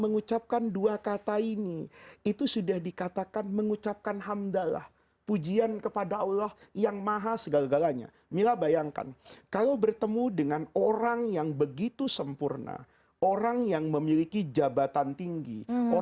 gapai kemuliaan akan kembali sesaat lagi